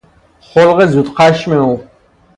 خلق زود خشم او